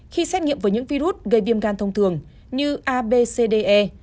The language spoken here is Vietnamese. khi xét nghiệm với những virus gây viêm gan thông thường như a b c d e